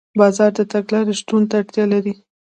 بازار د تګلارې شتون ته اړتیا لري.